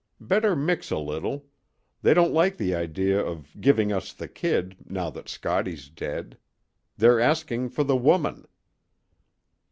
Better mix a little. They don't like the idea of giving us the kid, now that Scottie's dead. They're asking for the woman."